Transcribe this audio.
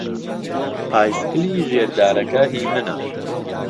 پایسکلی ژێر دارەکە هیی منە.